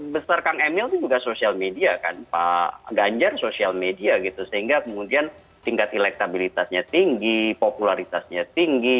besar kang emil itu juga social media kan pak ganjar sosial media gitu sehingga kemudian tingkat elektabilitasnya tinggi popularitasnya tinggi